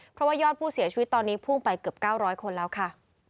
เพราะว่ายอดผู้เสียชีวิตตอนนี้พุ่งไปเกือบ๙๐๐คนแล้วค่ะ